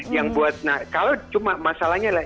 yang buat nah kalau cuma masalahnya lah